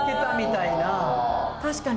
確かに。